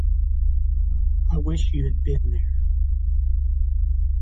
I wish you had been there.